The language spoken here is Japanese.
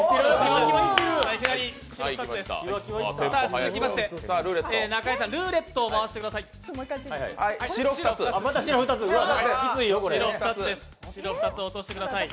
続きまして中井さん、ルーレットを回してください。